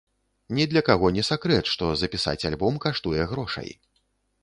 Ні для каго не сакрэт, што запісаць альбом каштуе грошай.